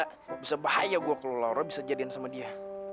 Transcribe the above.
gak bisa bahaya gue kalau loro bisa jadiin sama dia